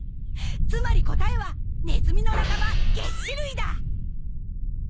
つまり答えはネズミの仲間げっ歯類だ！